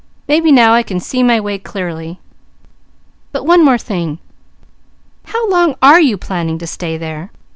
Maybe now I can see my way clearly. But one thing more: how long are you planning to stay there?